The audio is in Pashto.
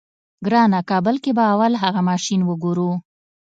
ګرانه کابل کې به اول اغه ماشين وګورې.